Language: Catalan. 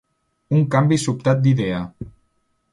Un canvi sobtat d'idea.